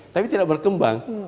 tapi tidak berkembang